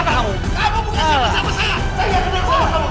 saya yang kenal sama kamu